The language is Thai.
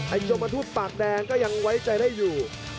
ยมทูตปากแดงก็ยังไว้ใจได้อยู่